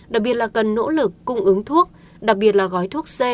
đặc biệt là cần nỗ lực cung ứng thuốc đặc biệt là gói thuốc c